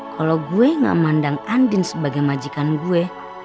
kalau gue gak memandang andin sebagai majikan gue